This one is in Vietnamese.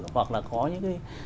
hoặc là có những cái